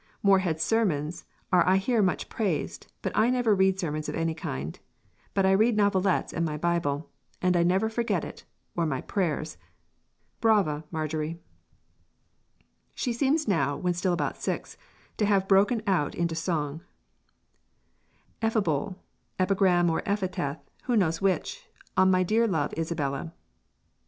"Moreheads sermons are I hear much praised, but I never read sermons of any kind; but I read novelettes and my Bible, and I never forget it, or my prayers." Brava, Marjorie! She seems now, when still about six, to have broken out into song: EPHIBOL [EPIGRAM OR EPITAPH WHO KNOWS WHICH?] ON MY DEAR LOVE ISABELLA.